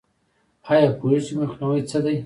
ایا پوهیږئ چې مخنیوی څه دی؟